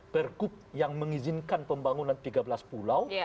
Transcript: pergub yang mengizinkan pembangunan tiga belas pulau